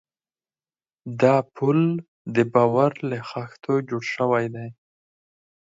دا پُل د باور له خښتو جوړ شوی دی.